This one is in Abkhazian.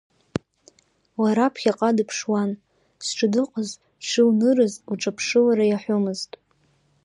Лара ԥхьаҟа дыԥшуан, зҿы дыҟаз дшылнырыз лҿаԥшылара иаҳәомызт.